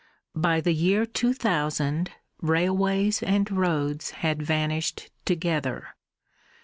By the year 2000 railways and roads had vanished together.